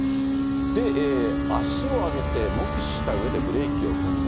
で、足を上げて目視したうえでブレーキを踏んだ。